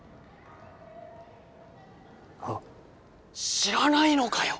あっ知らないのかよ